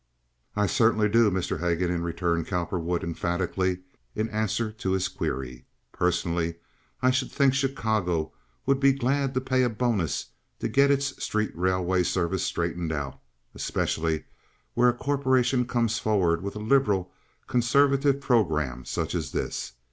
"I certainly do, Mr. Haguenin," returned Cowperwood, emphatically, in answer to his query. "Personally, I should think Chicago would be glad to pay a bonus to get its street railway service straightened out, especially where a corporation comes forward with a liberal, conservative programme such as this.